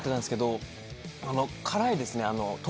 辛いですね。